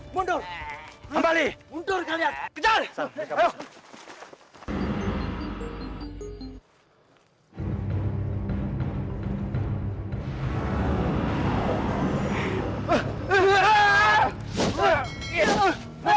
mundur mundur kalian semua mundur